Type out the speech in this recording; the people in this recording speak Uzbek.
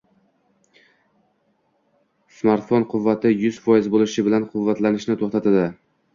Smartfon quvvati yuz foiz bo’lishi bilan quvvatlanishni to’xtatadi.